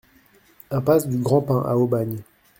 Impasse du Grand Pin à Aubagne